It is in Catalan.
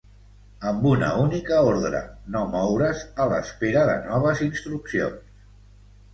Amb una única ordre: no moure’s a l'espera de noves instruccions.